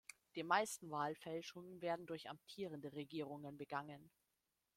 Die meisten Wahlfälschungen werden durch amtierende Regierungen begangen.